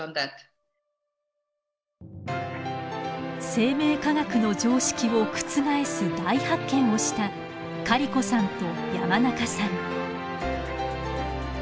生命科学の常識を覆す大発見をしたカリコさんと山中さん。